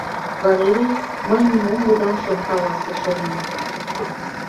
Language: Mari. Валерий, мый нимо удам шым каласе, шонем.